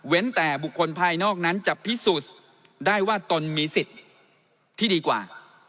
แต่บุคคลภายนอกนั้นจะพิสูจน์ได้ว่าตนมีสิทธิ์ที่ดีกว่า